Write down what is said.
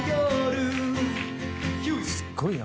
すごいな！